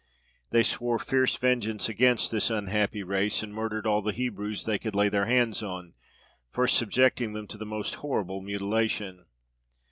They swore fierce vengeance against this unhappy race, and murdered all the Hebrews they could lay their hands on, first subjecting them to the most horrible mutilation.